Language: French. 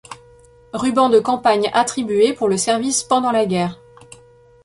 Rubans de campagne attribué pour le service pendant la guerre.